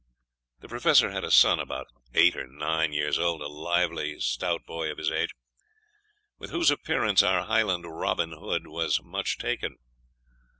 The Professor had a son about eight or nine years old, a lively, stout boy of his age, with whose appearance our Highland Robin Hood was much taken.